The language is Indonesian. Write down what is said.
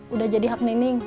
udah jadi hak neneng